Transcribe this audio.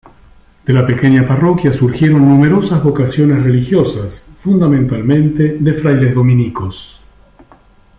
De la pequeña parroquia surgieron numerosas vocaciones religiosas, fundamentalmente de frailes dominicos.